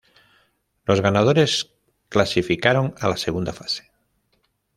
Los ganadores clasificaron a la Segunda fase.